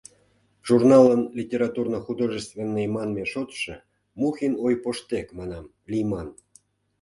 Журналын литературно-художественный манме шотшо, Мухин ой поштек манам, лийман.